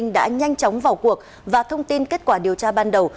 đã nhanh chóng vào cuộc và thông tin kết quả điều tra ban đầu